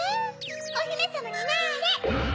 おひめさまになれ！